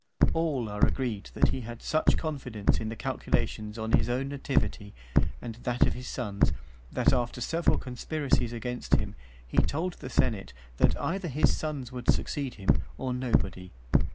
XXV. All are agreed that he had such confidence in the calculations on his own nativity and that of his sons, that, after several conspiracies against him, he told the senate, that either his sons would succeed him, or nobody.